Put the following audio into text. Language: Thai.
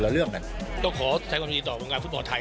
แล้วก็กำหนดทิศทางของวงการฟุตบอลในอนาคต